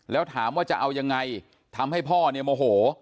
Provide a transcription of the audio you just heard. แล้วถามว่าจะเอายังไงทำให้พ่อเนี่ยโมโห